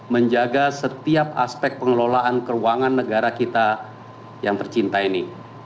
menjaga setiap aspek pengelolaan keuangan negara kita yang tercinta ini